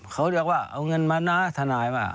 เขาเรียกว่าเอาเงินมานะทนายว่า